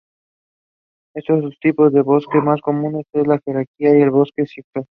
El tipo de bosque más común es el de galería o bosque ciliar.